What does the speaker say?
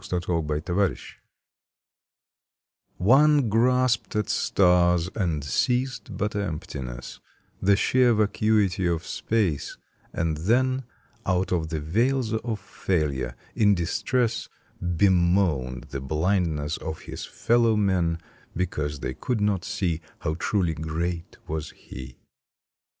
May Thirtieth THE VICTOR /^\NE grasped at stars, and seized but emptiness, The sheer vacuity of space, and then Out of the vales of failure, in distress, Bemoaned the blindness of his fellow men, Because they could not see How truly great was he.